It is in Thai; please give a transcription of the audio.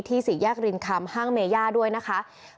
สี่แยกรินคำห้างเมย่าด้วยนะคะ